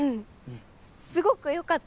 すごく良かったよ。